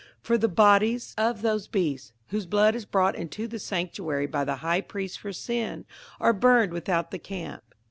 58:013:011 For the bodies of those beasts, whose blood is brought into the sanctuary by the high priest for sin, are burned without the camp.